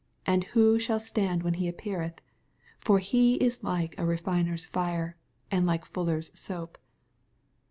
and who shall stand when He appeareth ? for He is like a refiner's fire, and like fuller's soap."